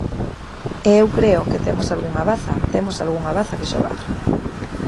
E eu creo que temos algunha baza, temos algunha baza que xogar.